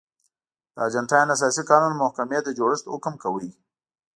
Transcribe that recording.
د ارجنټاین اساسي قانون محکمې د جوړښت حکم کاوه.